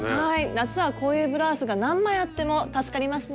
夏はこういうブラウスが何枚あっても助かりますね。